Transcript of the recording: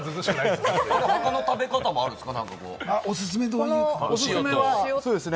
おすすめの食べ方もあるんですか？